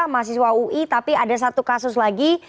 mahasiswa ui tapi ada satu kasus lagi